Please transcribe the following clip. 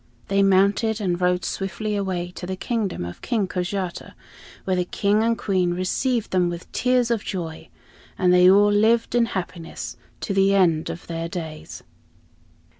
They mounted and rode swiftly away to the kingdom of King Kojata, where the King and Queen received them with tears of joy, and they all lived in happiness to the end of their days.